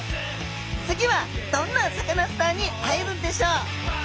次はどんなサカナスターに会えるんでしょう？